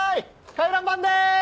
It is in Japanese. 回覧板でーす！